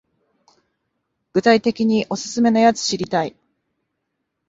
具体的にオススメのやつ知りたい